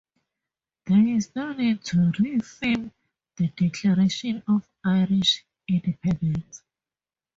There is no need to reaffirm the declaration of Irish independence.